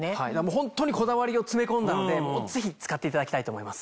ホントにこだわりを詰め込んだのでぜひ使っていただきたいと思います。